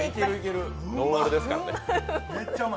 ノンアルですからね。